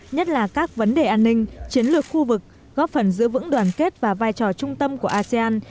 nhất là các vấn đề an ninh chiến lược khu vực góp phần giữ vững đoàn kết và vai trò trung tâm của asean